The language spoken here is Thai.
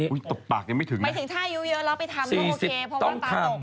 ไปถึงท่ายุเยอะเราไปทำ